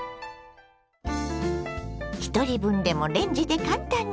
ひとり分でもレンジで簡単に！